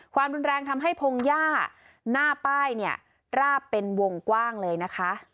ความรุนแรงทำให้พงหญ้าหน้าป้ายเนี่ยราบเป็นวงกว้างเลยนะคะ